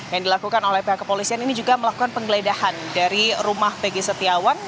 yang dilakukan oleh pihak kepolisian ini juga melakukan penggeledahan dari rumah pegi setiawan